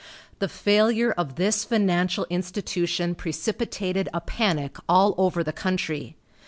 The failure of this financial institution precipitated a panic all over the country.